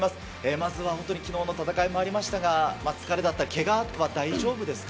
まずは、本当にきのうの戦いもありましたが、疲れだったり、けがは大丈夫ですか？